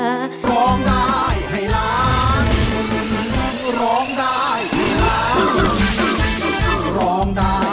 ร้องได้ให้ล้าน